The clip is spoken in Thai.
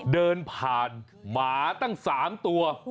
เดินผ่านหมาตั้ง๓ตัว